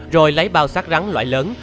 rồi lấy bao sát rắn loại lớn